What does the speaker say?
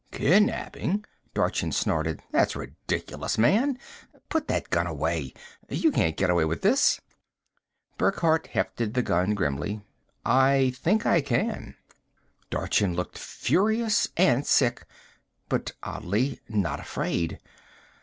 "Kidnapping?" Dorchin snorted. "That's ridiculous, man! Put that gun away you can't get away with this!" Burckhardt hefted the gun grimly. "I think I can." Dorchin looked furious and sick but, oddly, not afraid.